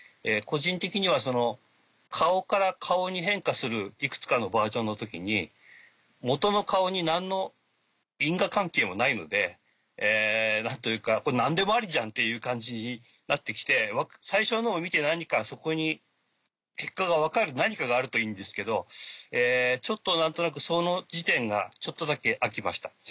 個人的には顔から顔に変化するいくつかのバージョンの時に元の顔に何の因果関係もないので何でもありじゃんっていう感じになって来て最初のを見て何かそこに結果が分かる何かがあるといいんですけどちょっと何となくその時点がちょっとだけ飽きました。